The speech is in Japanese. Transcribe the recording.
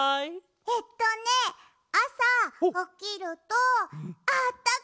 えっとねあさおきるとあったかい！